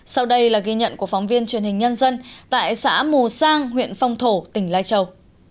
sau đây là ghi nhận của phóng viên truyền hình nhân dân tại xã mù sang huyện phong thổ tỉnh lai châu